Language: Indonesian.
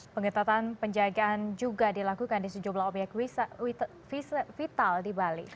pengetatan penjagaan juga dilakukan di sejumlah obyek vital di bali